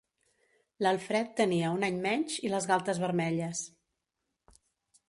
L'Alfred tenia un any menys i les galtes vermelles.